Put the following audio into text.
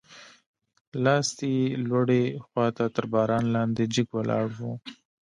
لاستي یې لوړې خواته تر باران لاندې جګ ولاړ و.